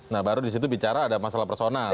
nah baru di situ bicara ada masalah personal